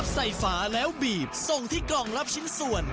ฝาแล้วบีบส่งที่กล่องรับชิ้นส่วน